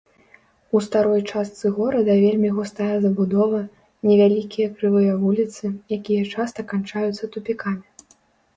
У старой частцы горада вельмі густая забудова, невялікія крывыя вуліцы, якія часта канчаюцца тупікамі.